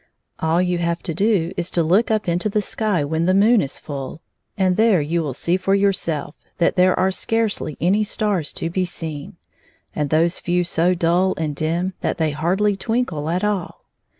All that 59 you have to do is to look up into the sky when the moon is ftill, and there you will see for your self that there are scarcely any stars to be seen, and those few so dull and dim that they hardly twinkle at all.